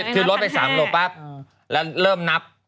คือลดไป๓หลบปั๊บแล้วเริ่มนับ